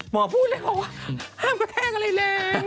หมอพูดเลยห้ามกระแทงอะไรแหลง